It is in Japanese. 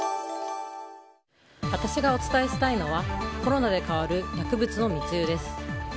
私がお伝えしたいのはコロナで変わる薬物の密輸です。